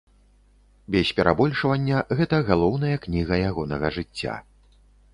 Без перабольшвання, гэта галоўная кніга ягонага жыцця.